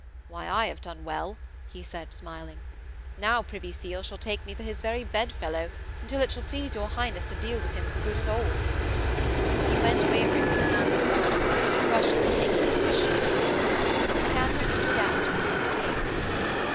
'Why, I have done well!' he said, smiling. 'Now Privy Seal shall take me for his very bedfellow, until it shall please your Highness to deal with him for good and all.' He went, waveringly, along the corridor, brushing the hangings with his shoulder. Katharine stood out before the King.